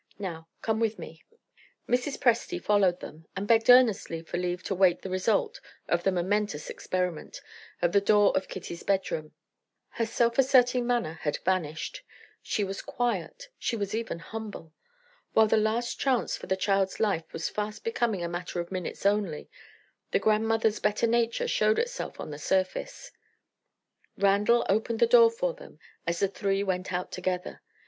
Now come with me." Mrs. Presty followed them, and begged earnestly for leave to wait the result of the momentous experiment, at the door of Kitty's bedroom. Her self asserting manner had vanished; she was quiet, she was even humble. While the last chance for the child's life was fast becoming a matter of minutes only, the grandmother's better nature showed itself on the surface. Randal opened the door for them as the three went out together.